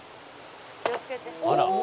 「気をつけて」